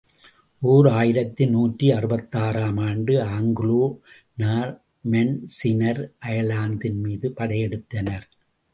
ஓர் ஆயிரத்து நூற்றி அறுபத்தாறு ஆம் ஆண்டு ஆங்கிலோ நார்மன்ஸினர் அயர்லாந்தின் மீது படையெடுத்தனர்.